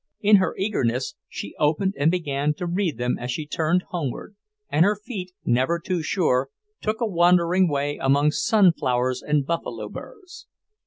In her eagerness she opened and began to read them as she turned homeward, and her feet, never too sure, took a wandering way among sunflowers and buffaloburrs.